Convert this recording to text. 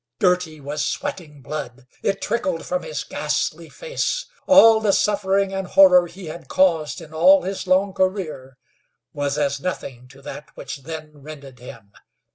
Girty was sweating blood. It trickled from his ghastly face. All the suffering and horror he had caused in all his long career was as nothing to that which then rended him.